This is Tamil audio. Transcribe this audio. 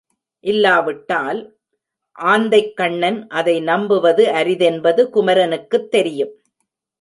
இல்லா விட்டால் ஆந்தைக்கண்ணன் அதை நம்புவது அரிதென்பது குமரனுக்குத் தெரியும்.